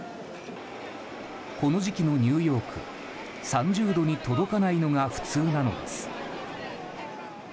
この時期のニューヨーク３０度に届かないのが普通なのです。